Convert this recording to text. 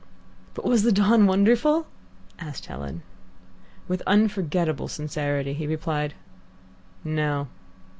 "But was the dawn wonderful?" asked Helen. With unforgettable sincerity he replied, "No."